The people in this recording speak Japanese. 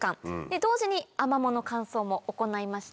同時にアマモの乾燥も行いました。